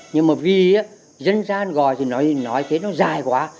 nhưng mà vì dân gian gọi thì nói thế nó dài quá